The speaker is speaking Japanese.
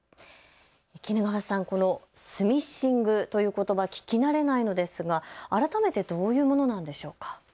絹川さん、このスミッシングということば聞き慣れないのですが改めてどういうものなんでしょうか。